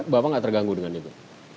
bapak nggak terganggu dengan itu